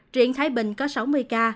triển thái bình có sáu mươi ca